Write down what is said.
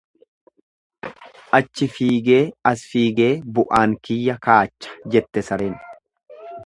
Achi figee as fiigee bu'aan kiyya kaacha jette sareen.